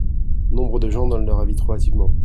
Nombre de gens donnent leur avis trop hâtivement.